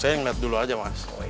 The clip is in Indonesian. saya yang lihat dulu aja mas